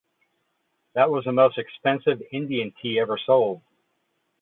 That was the most expensive Indian tea ever sold.